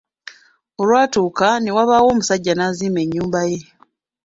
Olwatuuka ne wabaawo omusajja n’azimba ennyumba ye.